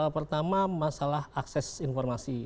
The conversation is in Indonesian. pertama masalah akses informasi